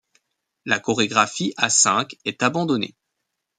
La chorégraphie à cinq est abandonnée.